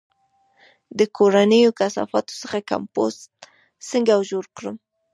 د کورنیو کثافاتو څخه کمپوسټ څنګه جوړ کړم؟